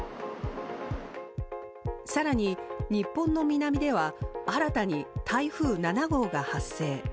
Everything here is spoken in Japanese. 更に、日本の南では新たに台風７号が発生。